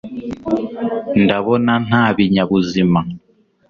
ndabona nta binyabuzima